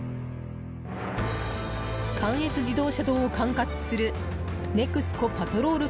関越自動車道を管轄するネクスコ・パトロール